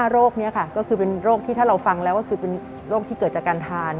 โรคนี้ค่ะก็คือเป็นโรคที่ถ้าเราฟังแล้วก็คือเป็นโรคที่เกิดจากการทาน